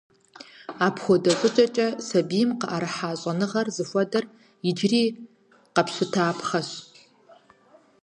Апхуэдэ щӀыкӀэкӀэ сабийм къыӀэрыхьа щӀэныгъэхэр зыхуэдэр иджыри къэпщытапхъэщ.